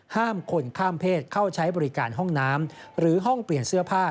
ห้ามคนข้ามเพศเข้าใช้บริการห้องน้ำหรือห้องเปลี่ยนเสื้อผ้า